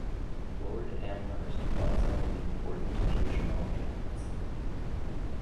Lord Amherst bought some of the important Egyptian objects.